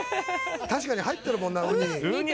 確かに入ってるもんなウニ。